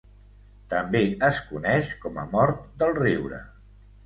També es coneix com a mort del riure.